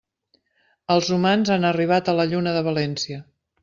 Els humans han arribat a la Lluna de València.